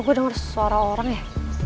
kok gua denger suara orang ya